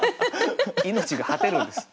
命が果てるんです。